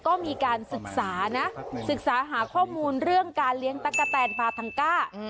ก็มีการศึกษานะศึกษาหาข้อมูลเรื่องการเลี้ยงตั๊กกะแตนพาทังก้า